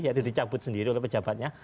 yaitu dicabut sendiri oleh pejabatnya